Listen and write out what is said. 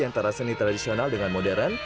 antara seni tradisional dengan modern